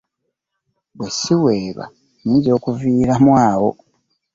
Bwe ssiweerwa nnyinza okuviiramu awo!